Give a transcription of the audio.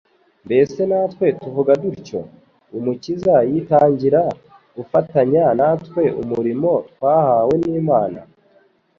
Mbese natwe tuvuga dutyo?. Umukiza yitangira gufatanya natwe umurimo twahawe n'Imana.